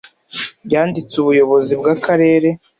yanditse ubuyobozi bw’akarere